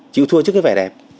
chịu thua trước cái vẻ đẹp